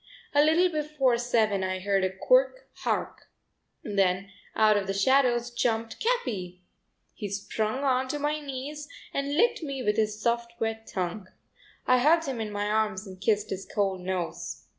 A little before seven I heard a quirk hark, then out of the shadows jumped Capi! He sprang onto my knees and licked me with his soft wet tongue. I hugged him in my arms and kissed his cold nose.